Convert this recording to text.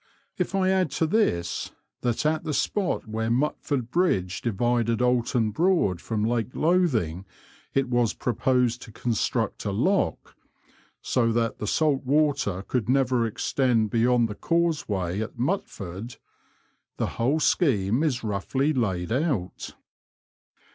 If I add to this that at the spot where Mutford Bridge divided Oulton Broad from Lake Lothing ifc was proposed to construct a lock, so that the salt water could never extend beyond the causeway at Mutford," the whole scheme is roughly laid out.